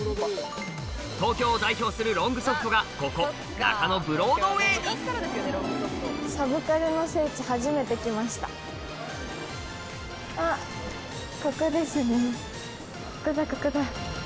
東京を代表するロングソフトがここ中野ブロードウェイにここだここだ。